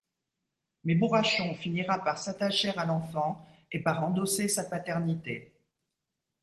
Mais Bourrachon finira par s'attacher à l'enfant et par endosser sa paternité.